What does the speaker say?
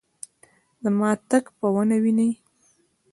زما تګ به ونه وینې